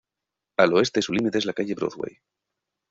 Al oeste su límite es la calle Broadway.